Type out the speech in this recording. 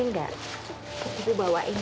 nggak tapi bawainnya